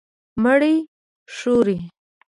_مړۍ خورې؟